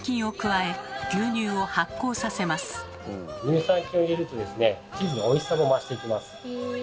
乳酸菌を入れるとですねチーズのおいしさも増していきます。